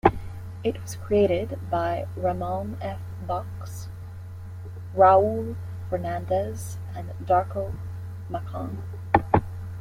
It was created by Ramon F. Bachs, Raul Fernandez and Darko Macan.